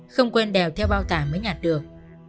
không quên đèo theo bao tài mới nhặt được